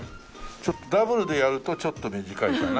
ちょっとダブルでやるとちょっと短いかな。